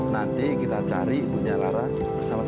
nanti kita cari ibunya lara bersama sama